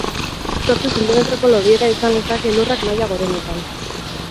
Zortzi zentimetroko lodiera izan lezake elurrak maila gorenetan.